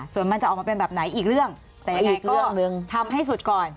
ส่วนมันจะออกมาเป็นแบบไหนอีกเรื่องแต่อีกเรื่องหนึ่งทำให้สุดก่อน